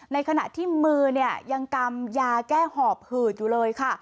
ในขณะที่มือเนี่ยยังกำยาแก้หอบหืดอยู่เลยค่ะ